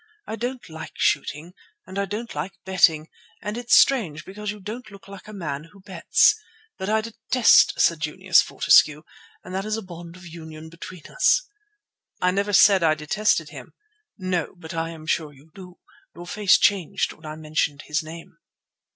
I don't like shooting, and I don't like betting; and it's strange, because you don't look like a man who bets. But I detest Sir Junius Fortescue, and that is a bond of union between us." "I never said I detested him." "No, but I am sure you do. Your face changed when I mentioned his name."